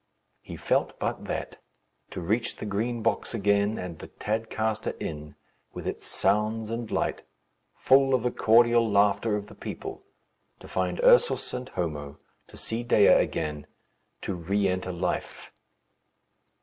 He felt but that. To reach the Green Box again, and the Tadcaster Inn, with its sounds and light full of the cordial laughter of the people; to find Ursus and Homo, to see Dea again, to re enter life.